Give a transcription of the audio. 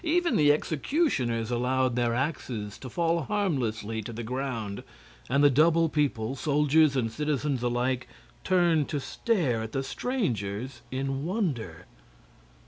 Even the executioners allowed their axes to fall harmlessly to the ground, and the double people, soldiers and citizens alike, turned to stare at the strangers in wonder.